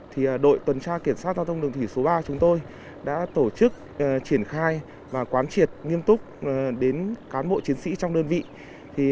thì đội tuần tra kiểm soát giao thông đường thủy số ba chúng tôi đã tổ chức triển khai và quán triệt nghiêm túc đến cán bộ chiến sĩ trong đơn vị